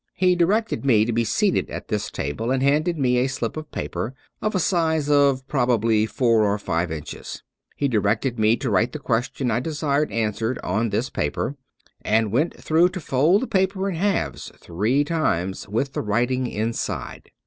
He di rected me to be seated at this table, and handed me a slip of paper of a size of probably four by five inches. He directed me to write the question I desired answered on this paper, and when through to fold the paper in halves three 241 True Stories of Modern Magic times with the writing inside.